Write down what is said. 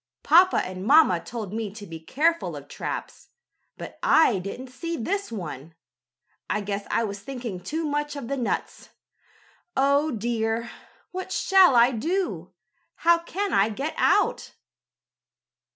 Papa and mamma told me to be careful of traps, but I didn't see this one. I guess I was thinking too much of the nuts. Oh dear! What shall I do? How can I get out?"